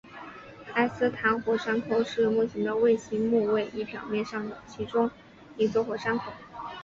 埃斯坦火山口是木星的卫星木卫一表面上的其中一座火山口。